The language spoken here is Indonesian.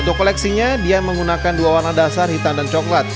untuk koleksinya dian menggunakan dua warna dasar hitam dan coklat